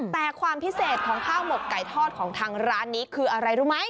แต่ความพิเศษของข้าวหมกไก่ทอดของทางร้านนี้คืออะไรรู้ไหม